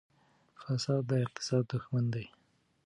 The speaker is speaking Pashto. فساد د اقتصاد دښمن دی.